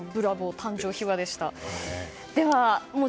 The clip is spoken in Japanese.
誕生秘話でした。